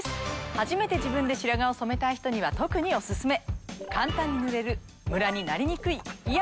初めて自分で白髪を染めたい人には特にオススメ！